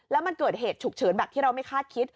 แล้วมันเกิดเหตุฉุกเฉินแบบที่เราไม่คาดคิด